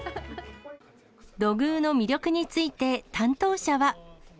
土偶の魅力について担当者は。